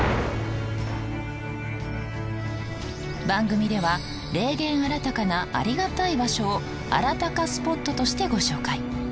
番組では霊験あらたかなありがたい場所を「あらたかスポット」としてご紹介。